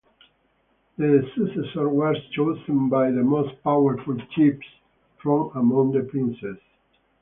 The successor was chosen by the most powerful chiefs from among the princes.